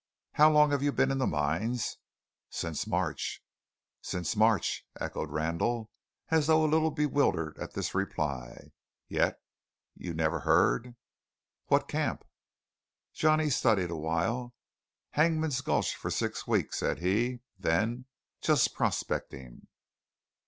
"How long have you been in the mines?" "Since March." "Since March!" echoed Randall, as though a little bewildered at this reply. "Yet you never heard What camp?" Johnny studied a while. "Hangman's Gulch for six weeks," said he. "Then just prospecting."